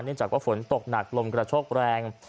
เนื่องจากว่าฝนตกหนักลมกระโชคแรง